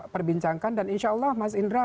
perbincangkan dan insya allah mas indra